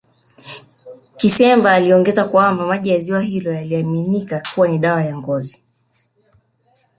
Kisemba aliongeza kwamba maji ya ziwa hilo yaliaminika kuwa ni dawa ya ngozi